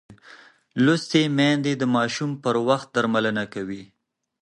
لوستې میندې د ماشوم پر وخت درملنه کوي.